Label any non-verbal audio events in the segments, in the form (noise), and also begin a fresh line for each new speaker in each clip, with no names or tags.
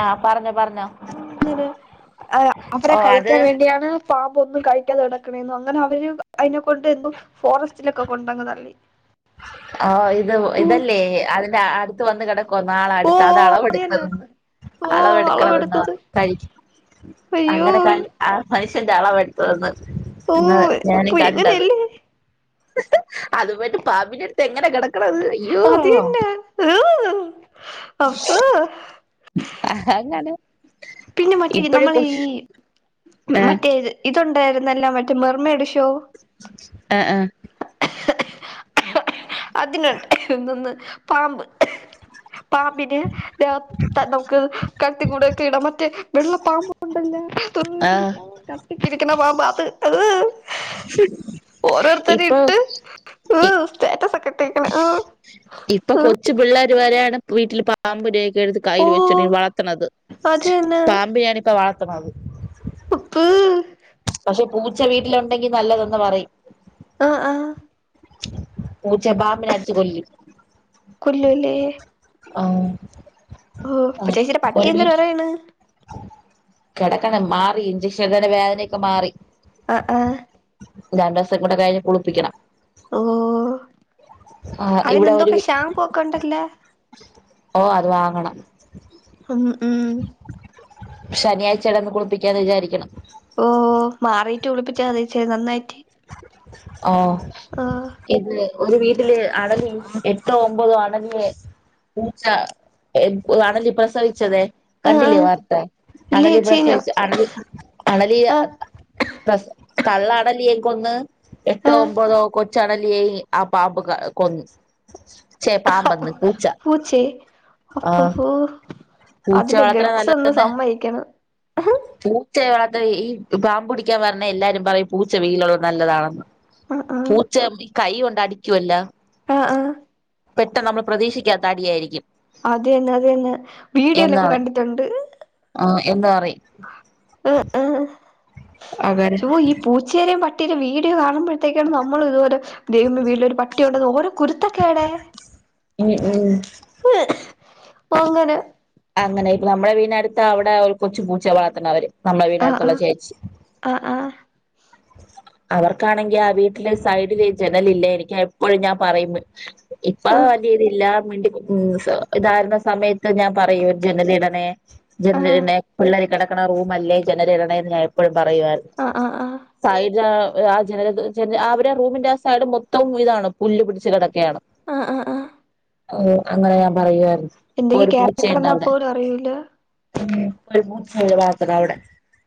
ആഹ് പറഞ്ഞോ പറഞ്ഞോ
അങ്ങെ
ഓ
അവരെ
അത്
കഴിക്കാൻ വേണ്ടിയാണ് പാമ്പ് ഒന്നും കഴിക്കാതെ കിടക്കണെന്ന് അങ്ങനെ അവര് അതിനെ കൊണ്ട് എന്ത ഫോറസ്റ്റിലെക്കാ കൊണ്ടങ്ങതല്ലേ
ആഹ ഇത് ഇതല്ലേ അതിന്റെ അടു- ത്ത് വന്ന് കിക്ക (unintelligible) കൊറേന്നാള്
ഓ
അടുത്ത് അത് അളവ്
തന്നെ
യെടുക്കണതന്ന്
ഓ
അളവെടുക്കണതന്ന്
അളവെടുത്തത്
പറഞ് കഴിക്കും
അയ്യോ
അങ്ങനെ ക (unintelligible) എന്റെ അളവ് എടുത്ത്തെന്ന്
ഓ അപ്പൊ എങ്ങനെയല്ലേ
അതുമായിട്ട് പാമ്പിനെ - എങ്ങനെ കെടക്കുന്നെ
അത് തന്നേ ഹ് ഹ് അപ്പൊ
അങ്ങനെ
പിന്നെ മറ്റേ
ഇപ്പഴേ
നമ്മൾ
കൊച്ച്
ഈ
ആഹ്
മറ്റേ ഇതൊണ്ട്- എണ്ടായിരുന്നല്ല മറ്റേ മെർമ്മ എടശോ (unintelligible)
ആഹ് ആഹ്
അതിന് എന്തെന്ന് പാമ്പ് പാമ്പിന് (unintelligible) നമക്ക് കഴ്ത്തി കൂടെയക്കെ ഇടണം. മറ്റേ വെള്ള പാമ്പ് ഉണ്ടല്ലോ
ആഹ്
(unintelligible) കട്ടിക്കിരി ക്ക്ണ പാമ്പ് അത്
ഇപ്പൊ
ഓരോരുത്തര്ട്ട് ഹ്
ഇ
സ്റ്റാറ്റസ് ട്ടേക്ക്ണ് ഏഹ്
ഇപ്പൊ കൊച്ചു പിള്ളേർ വരെ ആണ് വീട്ടിൽ പാമ്പ് നെ എടുത്ത്
ഓ
കയ്യിൽ വെച്ചോണ്ടി വളർത്തണത്.
അത് തന്നെ
പാമ്പിനേണി ഇപ്പ വള ത്ണത്.
(unintelligible)
പക്ഷെ പൂച്ച വീട്ടിലുണ്ടെങ്കിൽ നല്ലതന്ന് പറയും.
ആഹ് ആഹ്
പൂച്ചെ പാമ്പിനെ അട്ച്ച് കൊല്ല് ആഹ്
ഓഹ്
അങ്ങനെ
ചേച്ചിയുടെ പട്ടി
ഒരു
എന്തരു
വീട്ടിൽ
പറയണ്
കിടക്കണം മാറി ഇഞ്ചക്ഷൻ (unintelligible) വേദനയൊക്കെ മാറി.
ആഹ് ആഹ്
രണ്ടൂസം കൂടെ കഴിഞ്ഞ് കുളിപ്പിക്കണം. ആഹ് ഇവിടെ ഒരു
അതിനെന്തൊക്ക ഷാമ്പുവക്ക ഒണ്ടല്ലാ
ഓഹ് അത് വാങ്ങണം.
ഉം ഉം
ശനിയാഴ്ച്ചേടന്ന് കുളിപ്പിക്കാന്ന് വിചാരിക്കണ്.
ഓ മാറിയിട്ട് കുളിപ്പിച്ചാ മതിയേച്ചി നന്നായി
ഓഹ് ഇതില് ഒരു വീട്ടില് അണലി എട്ടോ ഒമ്പതോ അണലിയെ പൂച്ച അണലി പ്രസവിച്ചതെ
ആ ആ
കണ്ടില്ലേ വാർത്ത
ഇല്ല
അണലി
ചേച്ചി ഞാൻ
പ്രസവിച്ച അണലി അണലിയ
ആ
പ്രസ് തള്ള അണലിയേ കൊന്ന്
ആ
എട്ടോ ഒമ്പതോ കൊച്ചണലിയേയും ആ പാമ്പ് ക കൊന്ന് ഛെ പാമ്പന്ന്
പൂച്ചേ അപ്പ ഫൂ അതിന്റെ ഗറ്റ്സ് ഒന്ന് സമ്മയിക്കണം
പൂ പൂച്ചയേ വളർത്തലി ഈ പാമ്പുടിക്കാൻ വരണ എല്ലാരും പറയും പൂച്ച വീട്ടിലുള്ളത് നല്ലതാണെന്ന്
ആ
പൂച്ച അ കൈ കൊണ്ട് അടിക്കുവല്ലോ
ആഹ് ആഹ്
പെട്ടെന്ന് നമ്മൾ പ്രതീക്ഷിക്കാത്ത അടിയായിരിക്കും
അതന്നെ അതന്നെ
എന്ന്
വീഡിയോല്ലൊക്കെ
പറയും
കണ്ടിട്ടുണ്ട്
ആഹ് എന്ന് പറയും
ആഹ് ആഹ് ഓഹ് ഈ പൂച്ച പൂച്ചേടെ പട്ടിടെ ഒരു വീഡിയോ കാണ കാണുമ്പോഴത്തേക്കാണ് നമ്മൾ ഇതുവരെ ദൈവമേ വീട്ടിലൊരു പട്ടിയുണ്ടന്ന് ഓരോ കുരുത്തക്കേടെ
ഉം ഉം
അങ്ങനെ
അങ്ങനെ ഇപ്പ നമ്മുടെ വീടിനടുത്ത് അവിടെ ഒരു കൊച്ചു പൂച്ചയേ വളർത്തണ് അവര് നമ്മളെ
ആ ആ
വീടിനടുത്തുള്ള ചേച്ചി
ആ ആ ആ
അവർക്കാണെങ്കിൽ ആഹ് വീട്ടിലെ സൈഡില് ജനലില്ലേ എനിക്ക് എപ്പഴും ഞാൻ പറയും ഇപ്പ
ആ
വലിയതില്ല (unintelligible) ഇതായിരുന്ന സമയത്ത് ഞാൻ പറയൊ പറയാറ്ന്ന്
ആ ആ ആ
സയിപ് ഹ (unintelligible) അവരെ റൂമിന്റെ ആ സൈഡ് മൊത്തവും ഇതാണ് പുല്ല് പിടിച്ച് കെടക്ക യാണ്
ആ ആ ആ
അങ്ങനെ ഞാൻ പറ യ്വാര്ന്നു
എന്തെങ്കി
ഒരു പൂച്ച
കേറി
ഉണ്ട്
കിടന്നാ
ഔടെ
പോലും അറിയൂല
വാത്രാ ഔടെ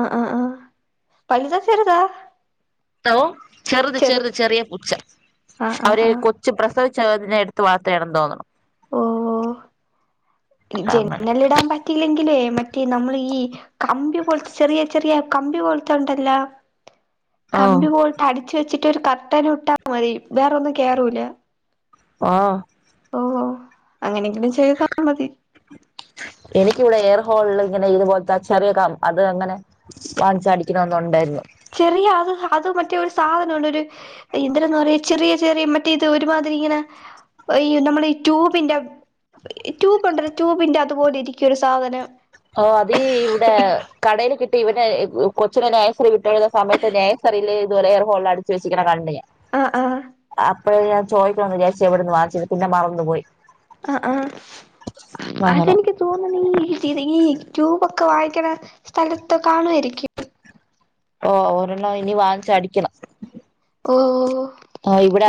അഹ് ആഹ് ആഹ് പള്ളിലച ഒര് താ
ത്തോ ചെറുത് ചെറ്ത് ചെറ്യേ പുച്ച
ആഹ് ആഹ്
അവര്
ആഹ്
കൊച്ചു പ്രസവിച്ച അതിനെ എടുത്തു വളർത്തിയാ ആണ് എന്ന് തോന്നണു
ഓ
അങ്ങനെ
ജന്നല് ഇടാൻ പറ്റില്ലെങ്കിലേ മറ്റേ നമ്മൾ ഈ കമ്പി പോലത്തെ ചെറിയ ചെറിയ കമ്പി പോലത്തെ ഉണ്ടല്ല
ആഹ്
കമ്പി പോയിട്ട് അടിച്ചു വെച്ച് മറ്റൊ ഒരു കട്ടന ഇട്ടാൽ മതി വേറൊന്നും കേറൂല
ആഹ്
ഓഹോ അങ്ങനെ ഇങ്ങനും ചെയ്താ മതി
ഹോ ഇങ്ങനെ ഇതുപോലത്തെ ചെറിയ ക അത് അങ്ങനെ വാങ്ങിച്ചാടിക്കണന്ന ഉണ്ടായിരുന്നു
ചെറിയ അത് അത് മറ്റേ ഒരു സാധനം ഉണ്ട് ഒരു എന്തെര് പറയാ ചെറിയ ചെറിയ മറ്റേ ഇത് ഒരുമാതിരി ഇങ്ങനെ ഈ നമ്മള ട്യൂബിന്റെ ട്യൂബ് ട്യൂബിന്റെ അതുപോലെ ഇരിക്കും ഒരു സാധനം
ഇവടെ കൊച്ചിനെ നേഴ്റി വിട്ടഴുന്ന സമയത്ത് നേഴ്റിയിൽ ഇതുപലെ എയർ ഹോള അടച്ച് വെച്ചിുന്ന കണ്ട്ുഞാൻ
ആഹ ആഹ
അപ്പോഴ ഞാ ചോദിക്കണംന്ന് വിചാരിച്ചയാ എവിടെന്ന് വാങ്ങിച്ചത് എന്ന് പിന്നെ മറന്നുപോയി
ആ ആഹ
അങ്ങനെ
അതെനിക്ക് തോന്നണ ട്യൂബ് ഒക്കെ വായിക്കണ സ്ഥലത്ത് കാണുമായിരിക്കും
ഓ ഒരെണ്ണം ഇനി വാങ്ങിച്ച അടിക്കണം
ഉ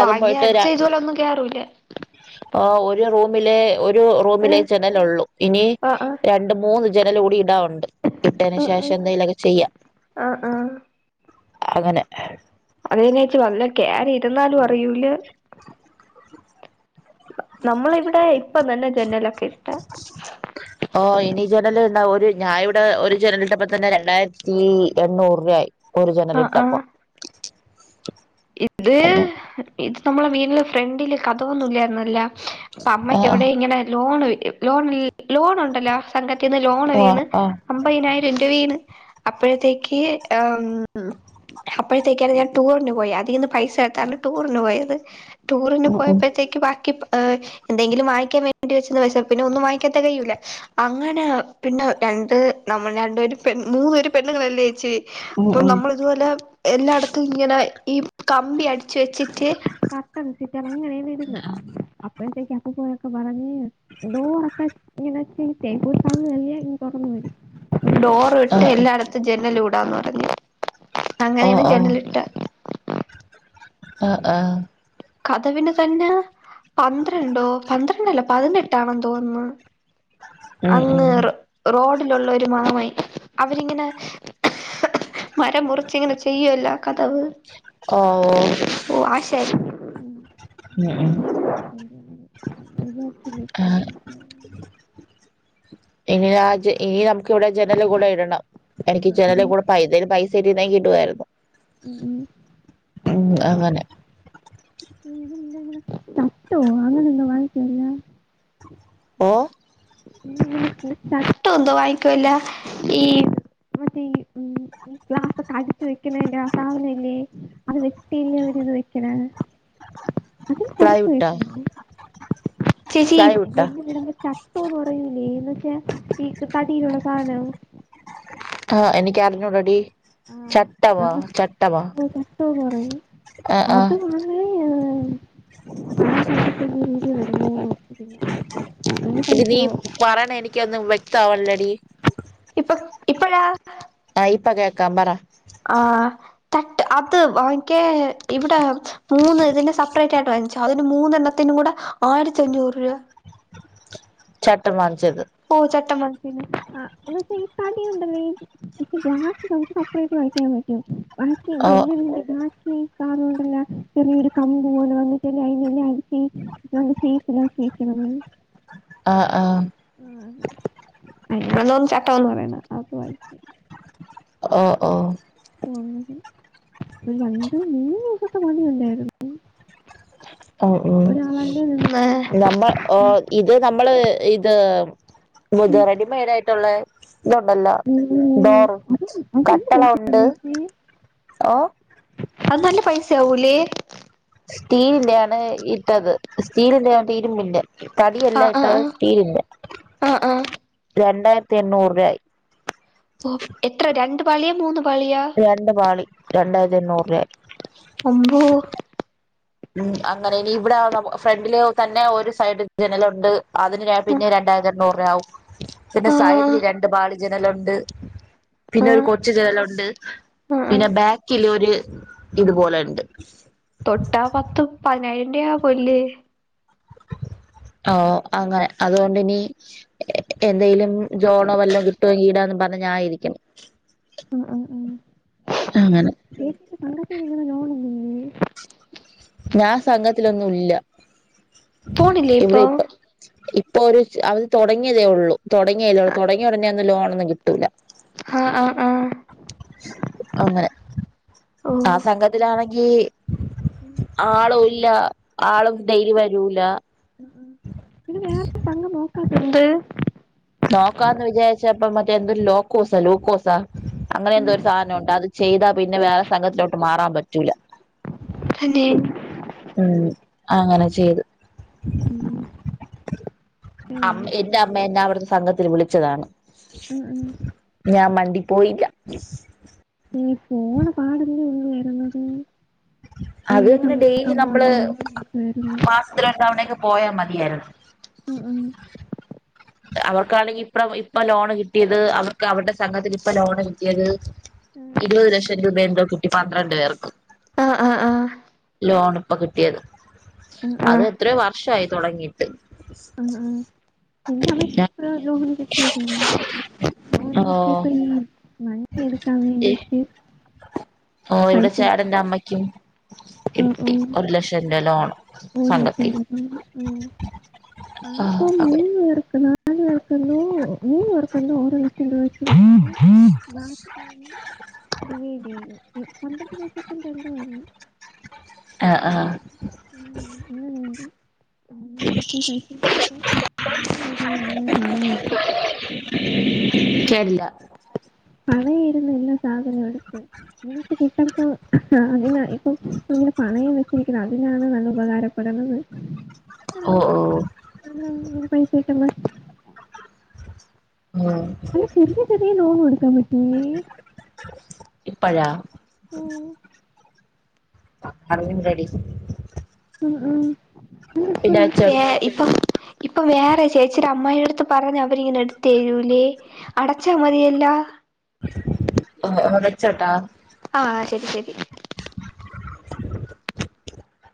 വാങ്ങി
പോയിട്ട്
അടിച്ച ഇതുപോലെ ഒന്നും കേറൂല്ല
ആ ഒരു റൂമിലെ ഒരു റൂമിലെ
ആഹ്
ജനലള്ളൂ ഇനി
ആഹ് ആഹ്
രണ്ട മൂന്ന് ജനലോടി ഇടാനുണ്ട് ണ്ട് ഇട്ടതിന്
ആഹ്
ശേഷം
ആഹ്
എന്തെലൊക്കെ ചെയ്യാം
ആഹ്
അങ്ങനെ
അത് അല്ല ചേച്ചി വല്ലോം കേറി ഇരുന്നാലും അറിയൂല്ല നമ്മള ഇവിടെ ഇപ്പ തന്നെ ജെന്നലൊക്കെ
ഓ ഇനി ജനല് എന്താ ഒരു ഞാന ഇവിടെ ഒരു ജനലിട്ടപ്പ തന്നെ രണ്ടായിരത്തി എണ്ണുറു ആയി ഒരു ജനല
ആഹ്
ഇട്ടപ്പ
ആഹ്
അ
ഇത് ഇത് നമ്മളെ മീനില് ഫ്രണ്ടില് കതകൊന്നുംല്ലായിരുന്നല്ലോ അപ്പ
ആ
അമ്മയ്ക്ക് ഇവിടെ ഇങ്ങനെ ലോണ് ലോൺ ലോണുണ്ടല്ലോ സംഘ റ്റേന്ന് ലോണ് വീണ്
ആ ആ
അമ്പതിനായിരം ര വീണ് അപ്പോഴത്തേക്ക് ഉം അപ്പോഴത്തേക്കാണ് ഞാൻ ടൂറിന് പോയാ ഇതീന്ന് പൈസ എടുത്താണ്ട് ടൂറിന് പോയത് ടൂറിന്
ഉം ഉം
പോയപ്പോഴത്തേക്ക് ബാക്കി പൈ ഹ എന്തെങ്കിലും വായിങ്ങക്കാൻ വേണ്ടി വെച്ചിരുന്ന പൈസ പിന്നെ ഒന്നും വാങ്ങിക്കാൻ തികയുല്ല അങ്ങനെ പിന്നെ രണ്ട് നമ്മ രണ്ടരുെ മൂന്നരു പെണ്ണുങ്ങളല്ലേ ചേച്ചി
ഉം
അപ്പൊ
ഉം
നമ്മൾ ഇത്പോലെ എല്ലാടെത്തും ഇങ്ങനെ ഈ കമ്പി അടിച്ച് വെച്ചിട്ട് കർട്ടൺ (unintelligible) അങ്ങനെയങ്ങ് ഇര്ന്ന് അപ് പൈസക്കപ്പപ്പോയൊക്കെ പറഞ്ഞ് ഡോറക്കെ ഇങ്ങനെ (unintelligible) ഇങ്ങ് തൊറന്ന് വരും ഡോറും
ആ
ഇട്ട് എല്ലായെടത്തും ജനലും ന്താന്ന് പറഞ്ഞ്
ഓ
അങ്ങനേണ്
ഓ
ജനല്ട്ടെ
ആ ആ
കതവിന് തന്നാ പന്ത്രണ്ടോ പന്ത്ര ങ്ങനെ അല്ല പതിനെട്ടാണന്ന് തോന്നു
ഉം
അങ്
ഉം
റോ റോഡ് ടിലുള്ള ഒരു മാമാൻ അവരിങ്ങനെ മരം മുറിച്ച് ഇങ്ങനെ ചെയ്യുവാല്ലോ കതവ്
ഓ ഓ
ഓ ആശാരി
ഉം ഉം
വിചാരിച്ചില്ല
ആ
ഇത്രയും പൈസ ആകുവെന്ന്
ഇനി രാജ എഴണ് എനിക്ക് ഇവിടെ ജനല് കൂടെ ഇടണം എനിക്ക് ജനല് കൂടെ പൈ പൈസ ശെരി നെയ്യ് ഇടുവായിരുന്നു ഉം അങ്ങനെ
തട്ടോ അങ്ങനെന്തോ വാങ്ങിക്കല്ലേ
ഒ
മു മു മു തട്ടോ ന്തോ വാങ്ങിക്കൊല്ല ഈ മറ്റേ ഈ മു ഗ്ലാസൊക്കെ അടികി വെക്കണന്റെ ആ സാധന ഇല്ലേ അത് വെട്ടി അവര് ഇത് വെക്കനണ് അതിന് കൊറച്ച്
പ്ലൈവുട്ടാ
പൈസായാവു ചേച്ചി
പ്ലൈവുട്ടാ
ജെഗ് വരുമ്പോൾ തട്ടൊന്ന് കയ്യൂല്ലേന്ന് (unintelligible) തടിയുള്ള സാധനം
ആ എനിയ്ക്കറിഞ്ഞു കൂടെടി.
ആഹ് (unintelligible) തട്ടം ന്ന് പറയും
ആ ആ
അത് (unintelligible) (unintelligible) നല്ല
എടി നീ
പൈസയാവും
പറയണ എനിക്കൊന്നും വ്യക്തമാവണല്ലടി
ഇപ്പൊ ഇപ്പഴാ
ആ ഇപ്പ കേക്കാം പറ
ആ തട്ട് അത് വാങ്ങിക്കേ ഇവിടെ മൂന്ന് ഇതിന്റെ സെപ്പറേറ്റ് ആയിട്ട് വാങ്ങിച്ചു അതിന് മൂന്നെണ്ണത്തിനും കൂടെ ആയിരത്തി അഞ്ഞൂറ് രൂപ
ചട്ടം വാങ്ങി
ഓ ചട്ടം വാങ്ങി പിന്നെ ആ എന്ന വച്ച ഈ തടിയുണ്ടല്ലീ ഗ്ലാസ് നമുക്ക് സെപ്പറേറ്റ് കഴിക്കാൻ പറ്റും ആക്കി
ഓ
ജന (unintelligible) ഈ കാരുകൊണ്ടല്ല ചെറിയൊരു കമ്പു പോലെ വന്നിട്ട് അതിനന്നെ സീ കേക്കണ കേക്കാണെന്നു
ആ ആ
ആന ചട്ടം എന്ന് പറയുന്നത്
ഓ ഓ
ആ ഒരു രണ്ട് മൂന്ന് ദിവസ മതി വണ്ടാരുന്നു
ഒ ഓ ഇത് നമ്മള് ഇതു നമ്മളെ ഇത് റെഡിമെയ്ഡായി ട്ട് ദോള്ളേ ഇതുണ്ടല്ലോ
ഉം, ഉം,
ഡോറെ
അത് നല്ല
കട്ടള
പൈസ
ഉണ്ട് ഓ
അത് നല്ല പൈസ ആവൂലേ
സ്റ്റീലിന്റെയണ് ഇട്ടത് സ്റ്റീലിന്റെ ഇരുമ്പിന്റെ തടി
ആ
അല്ല
ആ
ഇട്ടത്
ആ
സ്റ്റീലിലെ
ആ ആ
രണ്ടായിരത്തി എണ്ണൂറു രൂപ ആയി
ഓ എത്ര രണ്ട് പാളിയോ മൂന്ന് പാളിയാ
രണ്ട് പാളി രണ്ടായിരത്തി എണ്ണൂറ് (unintelligible)
അമ്പോ
ഉം അങ്ങനെ ഇനി ഇവിടെ ന്നേ ഫ്രണ്ടില് തന്നെ ഒരു സൈഡ് ജനലുണ്ട് അതിനെ ര
ആ
പിന്നെ രണ്ടായിരത്തി എണ്ണൂറെ ബ്രാഉ പിന്നെ
ആ
സൈഡില് രണ്ട് ബാളി ജനലുണ്ട്
ആ
പിന്നെ ഒരു കൊച്ചു ജനലുണ്ട്
ആ
പിന്നെ ബാക്കിലൊരു ഇതുപോലെ ഉണ്ട്
ഒ പതിനായിരം രൂപ പുല്ല് (unintelligible)
ഓ അങ്ങനെ അതുകൊണ്ടിനി എന്തെങ്കലും ജോണോ വല്ലോ കിട്ടോങ്കീന്നാറഞ്ഞ ഞാനിരിക്കണ്
ആഹ് ആഹ് ആഹ്
അങ്ങനെ
ചേച്ചിയുടെ പണ്ടത്തെ നിങ്ങടെ ലോണല്ലേ
ഞാൻ സംഘത്തിലൊന്നുല്ല
പോണില്ലേ ഇപ്പൊ
ഇപ്പൊ ഒരു ച് അവര് തൊടങ്ങിയതേയുള്ളൂ തൊടങ്ങിയല്ലേള് തൊടങ്ങിയ ഒടനെ ഒന്ന് ലോണൊന്നും കിട്ടൂല്ല
ആ ആ ആ
അങ്ങനെ. ആ
ഓഹ്
സംഘത്തിലാണെങ്കി ആളൂല്യ ആള് ഡെയ്ലി വരൂല
പിന്നെ വേറെ പങ്കം നോ എന്ത്
നോക്കാന്ന് വിചാരിച്ചപ്പോ മറ്റേ എന്തൊ ലോക്കോസോ ലൂക്കോസാ അങ്ങനെ എന്തോ ഒരു സാനുണ്ട് അത് ചെയ്താ പിന്നെ വേറെ സംഘത്തിലോട്ട് മാറാൻ പറ്റൂല
തന്നെ
ഉം അങ്ങനെ ചെയ്ത്. (unintelligible) അം
ഉം
എന്റെ അമ്മ എന്നെ അവിടുത്തെ സംഘത്തിന് വിളിച്ചതാണ്
ഉം
ഞാൻ മണ്ടി പോയില്ല
ഈ പോണ പാടല്ലേ ഉള്ളു വരുന്നത് അപ്പൊ ഈ
അത്ങ്ങനെ
സമയൊക്കെ
ഡെയ്ലി
അവള്
നമ്മള്
വന്ന് ലോൺ കിട്ടുവായിരുന്നു
മാസത്തില രണ്ടവണക്കെ പോയാ മതിയായിരുന്നു
ഉം ഉം
അവർക്കാണെങ്കി ഇപ്പ ഇപ്പൊ ലോണ് കിട്ടിയത് അവർക്ക് അവരുടെ സംഘത്തില് ഇപ്പൊ ലോണ് കിട്ടിയത് ഇരുപത് ലക്ഷം രൂപ എന്തോ കിട്ടി പന്ത്രണ്ട് പേർക്ക്
ആഹ് ആഹ് ആഹ്
ലോണ് ഇപ്പൊ കിട്ടിയത്
ആഹ്
അത്
ആഹ്
എത്രയോ വർഷായി തുടങ്ങിട്ട്
ആഹ് എന്റെ അമ്മയ്ക്ക് ഇപ്പഴാ ലോണ് കിട്ടിയതാണ് ലോണ്
(unintelligible) ഒ ഓ
കിട്ടിയപ്പോ ഈ വണ്ടി എടുക്കാൻ
(unintelligible) ഇ
വേണ്ടിട്ട്
ഓ ഇവടെ
പൈസ കിട്ടി
ചേടന്റെ അമ്മക്കും
ഉം
കിട്ടി
ഉം
ഒരു ലക്ഷം രൂപ ലോണ്
ഒരു ലക്ഷം
സംഘത്തിന്ന്
രൂപ ഉം
(unintelligible) ആ
ആർക്കും
അതെ
മൂന്ന് പേർക്ക് നാല് പേർക്കെന്തോ മൂന്ന് പേർക്കെന്തോ ഓരോ ലക്ഷം രൂപ വെച്ച് ബാക്കിന്ന് ഡിവൈഡ് ചെയ്ത് പന്ത്രണ്ട് ലക്ഷത്തിന്റെ എന്തോ ആയിരുന്നു
(unintelligible) അ ആ
അങ്ങനെ അങ്ങനെ എന്തോ എനിക്ക് പൈസ കിട്ടിയപ്പോ പണയിരുന്ന എല്ലാ സാധനവും
(unintelligible) ചേരില്ല
പണയിരുന്ന എല്ലാ സാധനവും എടുത്ത് എനിക്ക് കിട്ടുമ്പോ അതിനാ ഇപ്പം ഇങ്ങനെ
(inaudible)
പണയം വെച്ചിരിക്കുന്നത് അതിനാണ് നല്ല ഉപകാരപ്പെടുന്നത് അല്ലേ
ഒ ഓ
നല്ല പൈസ കിട്ടുമ്പോ
ഉം
അല്ല ചെറിയ ചെറിയ ലോൺ എടുക്കാൻ പറ്റുമേ
(unintelligible) ഇപ്പഴാ (unintelligible)
ഓ
അറിവിൻ ലേഡീസ്
ഏ ഇപ്പൊ ഇപ്പൊ വേറെ ചേച്ചിടെ അമ്മായിടെ രടുത്ത് പറഞ്ഞാ അവരിങ്ങനെ എടുത്തേരൂലേ അടച്ചാ മതിയല്ലോ
(unintelligible) ഒച്ചട്ടാ
ആ ശരി ശരി
(inaudible)